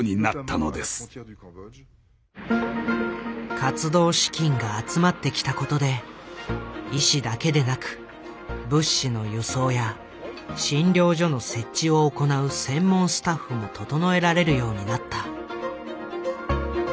活動資金が集まってきたことで医師だけでなく物資の輸送や診療所の設置を行う専門スタッフもととのえられるようになった。